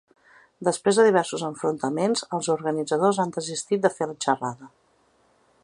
Després de diversos enfrontaments, els organitzadors han desistit de fer la xerrada.